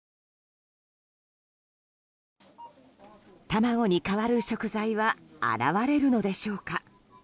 卵に代わる食材は現れるのでしょうか。